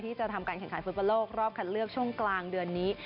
ที่จะทำการแขนไขมินปลาโลกรอบขัดเลือกช่วงกลางเดือนนี้